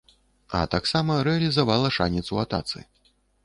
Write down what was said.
А таксама рэалізавала шанец у атацы.